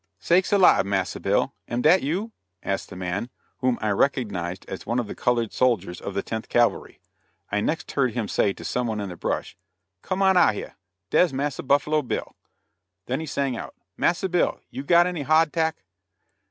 "Sakes alive! Massa Bill, am dat you?" asked the man, whom I recognized as one of the colored soldiers of the Tenth Cavalry. I next heard him say to some one in the brush: "Come out o' heah. Dar's Massa Buffalo Bill." Then he sang out, "Massa Bill, is you got any hawd tack?"